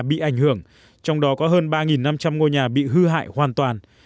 bị ảnh hưởng trong đó có hơn ba năm trăm linh ngôi nhà bị hư hại hoàn toàn